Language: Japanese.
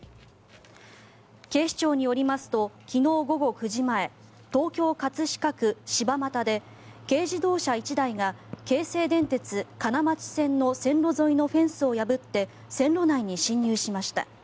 警視庁によりますと昨日午後９時前東京・葛飾区柴又で軽自動車１台が京成電鉄金町線の線路沿いのフェンスを破って線路内に侵入しました。